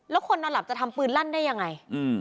แล้วคนนอนหลับจะทำปืนลั่นได้ยังไง